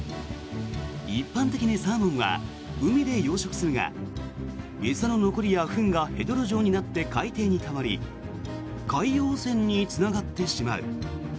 一般的にサーモンは海で養殖するが餌の残りやフンがヘドロ状になって海底にたまり海洋汚染につながってしまう。